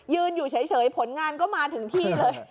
อยู่เฉยผลงานก็มาถึงที่เลย